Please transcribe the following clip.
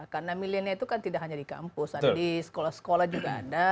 karena milenia itu kan tidak hanya di kampus ada di sekolah sekolah juga ada